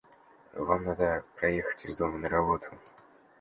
Вам надо проехать из дома на работу